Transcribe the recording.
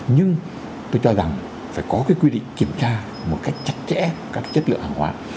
nhưng tôi cho rằng phải có cái quy định kiểm tra một cách chặt chẽ các chất lượng hàng hóa